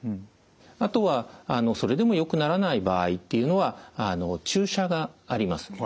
あとはそれでもよくならない場合というのは注射があります。